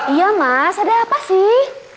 iya mas ada apa sih